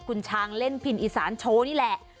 คุณช้างเล่นพินอีสานโชว์นี่แหละ